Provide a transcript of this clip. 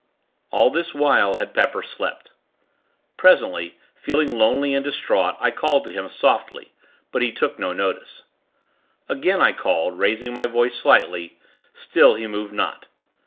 All this while had Pepper slept. Presently, feeling lonely and distraught, I called to him, softly; but he took no notice. Again, I called, raising my voice slightly; still he moved not.